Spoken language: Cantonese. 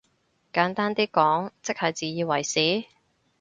簡單啲講即係自以為是？